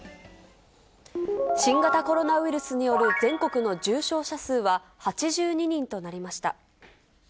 新型コロナウイルスによる全国の重症者数は、８２人となりました。